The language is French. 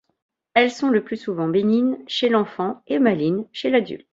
Elles sont le plus souvent bénignes chez l'enfant et malignes chez l'adulte.